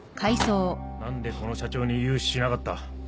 何でこの社長に融資しなかった？